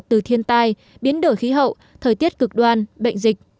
từ thiên tai biến đổi khí hậu thời tiết cực đoan bệnh dịch